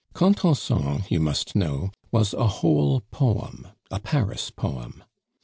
Contenson, you must know, was a whole poem a Paris poem.